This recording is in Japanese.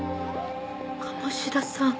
鴨志田さん。